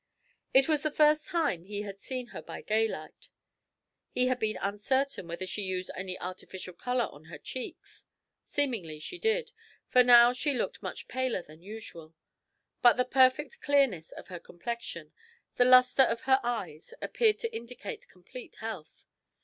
It was the first time he had seen her by daylight. He had been uncertain whether she used any artificial colour on her cheeks; seemingly she did, for now she looked much paler than usual. But the perfect clearness of her complexion, the lustre of her eyes, appeared to indicate complete health.